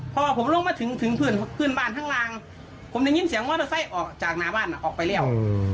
เพราะว่าผมลงมาถึงเพื่อนบ้านข้างล่างผมได้ยินเสียงมอเตอร์ไซค์ออกจากหน้าบ้านออกไปแล้ว